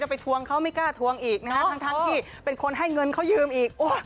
ไปทวงเขาไม่กล้าทวงอีกนะฮะทั้งที่เป็นคนให้เงินเขายืมอีก